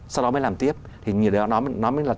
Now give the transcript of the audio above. sau đó mới làm tiếp thì như đó nó mới là